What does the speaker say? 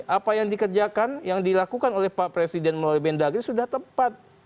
apa yang dikerjakan yang dilakukan oleh pak presiden melalui mendagri sudah tepat